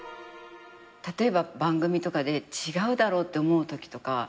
例えば番組とかで違うだろって思うときないの？